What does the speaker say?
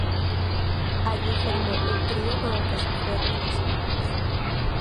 Allí formó un trío con el que se fue a Buenos Aires.